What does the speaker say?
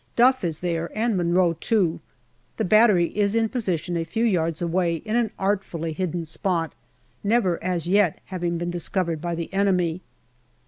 Duff is there, and Monro too. The battery is in position a few yards away in an artfully hidden spot, never as yet having been discovered by the enemy.